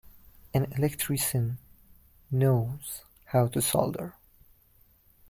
An electrician knows how to solder.